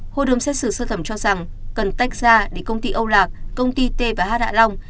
hội đồng xét xử sơ thẩm cho rằng cần tách ra để công ty âu lạc công ty t và h hạ long